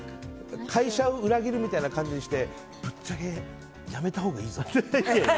会社を裏切るみたいな感じにしてぶっちゃけ、辞めたほうがいいぞ。